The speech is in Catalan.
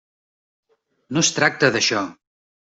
No es tracta d'això.